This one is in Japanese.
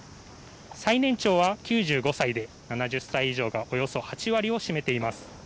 最年長は９５歳で、７０歳以上がおよそ８割を占めています。